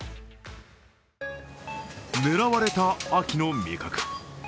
狙われた秋の味覚。